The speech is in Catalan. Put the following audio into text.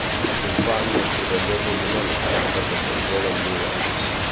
Als infants els protegeix el dimoni, perquè se'ls vol endur grans.